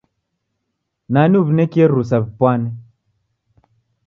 Nani uw'inekie rusa w'ipwane?